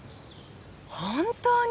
本当に？